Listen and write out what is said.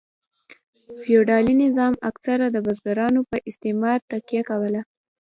فیوډالي نظام اکثره د بزګرانو په استثمار تکیه کوله.